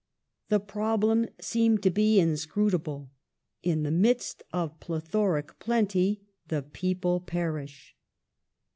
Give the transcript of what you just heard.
The problem seemed to them inscrutable. " In the midst of plethoric plenty, the people perish."